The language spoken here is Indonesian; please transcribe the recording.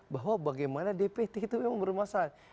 bahwa bagaimana dpt itu memang bermasalah